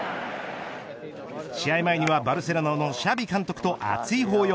試合前にはバルセロナのシャビ監督と熱い抱擁。